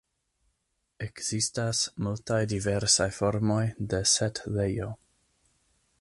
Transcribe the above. Ekzistas multaj diversaj formoj de setlejo.